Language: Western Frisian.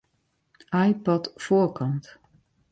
iPod foarkant.